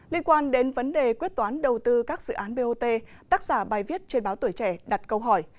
liên quan đến vấn đề quyết toán đầu tư các dự án bot tác giả bài viết trên báo tuổi trẻ đặt câu hỏi